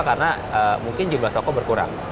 karena mungkin jumlah toko berkurang